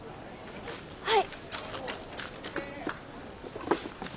はい。